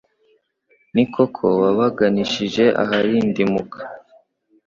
Ni koko wabaganishije aharindimuka